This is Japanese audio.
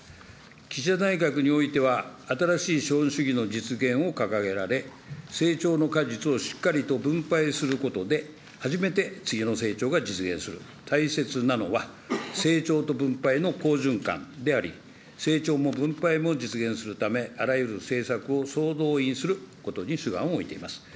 岸田内閣においては、新しい資本主義の実現を掲げられ、成長の果実をしっかりと分配することで、初めて次の成長が実現する、大切なのは、成長と分配の好循環であり、成長も分配も実現するため、あらゆる政策を総動員することに主眼を置いています。